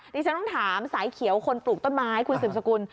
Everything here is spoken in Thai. ดิฉันต้องถามสายเขียวคนปลูกต้นไม้คุณสืบสกุล